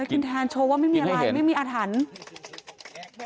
กินแทนโชว์ว่าไม่มีอะไรไม่มีอาถรรพ์